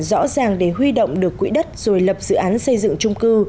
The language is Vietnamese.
rõ ràng để huy động được quỹ đất rồi lập dự án xây dựng trung cư